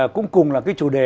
cũng cùng là cái chủ đề